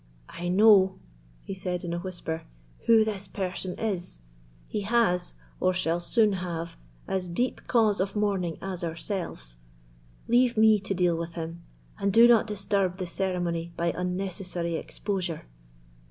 "I know," he said in a whisper, "who this person is, he has, or shall soon have, as deep cause of mourning as ourselves; leave me to deal with him, and do not disturb the ceremony by unnecessary exposure."